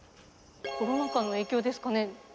コロナ禍の影響ですかね。